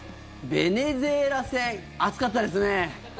ベネズエラ戦熱かったですね。